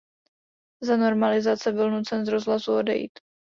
Za normalizace byl nucen z rozhlasu odejít.